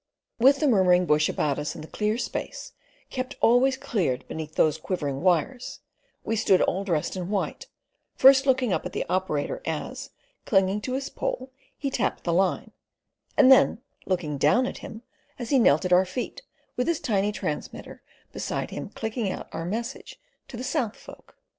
With the murmuring bush about us in the clear space kept always cleared beneath those quivering wires, we stood all dressed in white, first looking up at the operator as, clinging to his pole, he tapped the line, and then looking down at him as he knelt at our feet with his tiny transmitter beside him clicking out our message to the south folk.